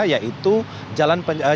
yaitu jembatan penyeberangan